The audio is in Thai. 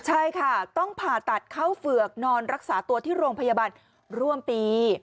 ใช่ค่ะต้องผ่าตัดเข้าเฝือกนอนรักษาตัวที่โรงพยาบาลร่วมปี